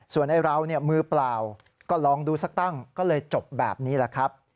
ส่วนไอ้เรามือเปล่าก็ลองดูสักตั้งก็เลยจบแบบนี้แหละครับ